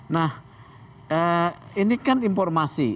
nah ini kan informasi